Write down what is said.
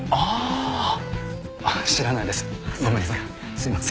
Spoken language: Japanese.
すいません。